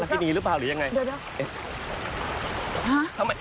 ขนาดนี้อะไรหรือเปล่า